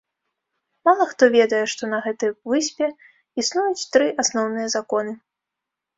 Мала хто ведае, што на гэтай выспе існуюць тры асноўныя законы.